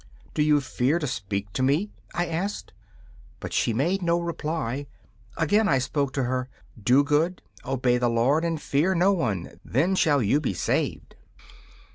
'Do you fear to speak to me?' I asked. But she made no reply. Again I spoke to her: 'Do good, obey the Lord and fear no one: then shall you be saved.